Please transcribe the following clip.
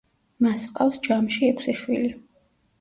მას ჰყავს ჯამში ექვსი შვილი.